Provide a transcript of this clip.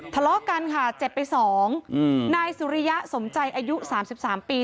ทะเลาะกันค่ะเจ็บไปสองนายสุริยะสมใจอายุ๓๓ปี